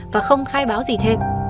và không khai báo gì thêm